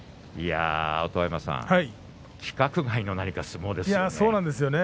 音羽山さん、規格外の相撲ですね。